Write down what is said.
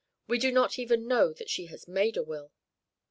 We do not even know that she has made a will."